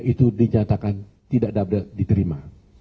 itu dinyatakan tidak dapat diterima